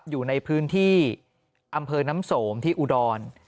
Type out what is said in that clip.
อยู่ในพื้นที่อำเภอน้ำสมที่อุดร